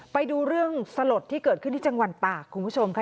ไปดูเรื่องสลดที่เกิดขึ้นที่จังหวัดตากคุณผู้ชมค่ะ